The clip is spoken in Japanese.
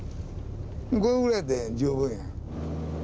これぐらいやて十分や。